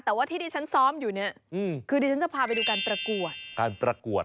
แต่ว่าที่ดิฉันซ้อมอยู่เนี่ยคือดิฉันจะพาไปดูการประกวดการประกวด